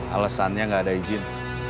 alesannya enggak ada izin